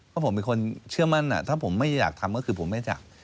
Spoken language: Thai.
เพราะผมเป็นคนเชื่อมั่นถ้าผมไม่อยากทำก็คือผมไม่จับ